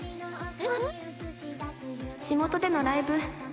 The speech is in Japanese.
地元でのライブ